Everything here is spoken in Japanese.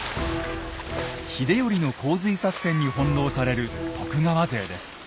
秀頼の洪水作戦に翻弄される徳川勢です。